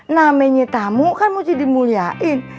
namanya tamu kan mesti dimuliain